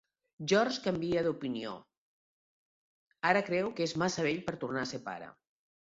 George canvia d'opinió, ara creu que és massa vell per tornar a ser pare.